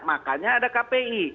makanya ada kpi